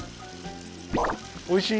おいしい？